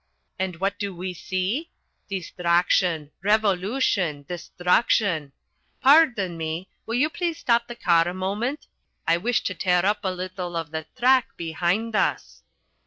And what do we see? Distraction, revolution, destruction pardon me, will you please stop the car a moment? I wish to tear up a little of the track behind us."